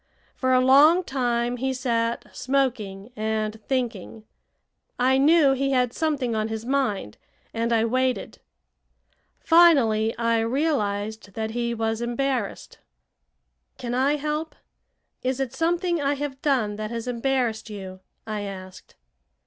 For a long time he sat smoking and thinking. I knew he had something on his mind, and I waited. Finally I realized that he was embarrassed. "Can I help? Is it something I have done that has embarrassed you?" I asked.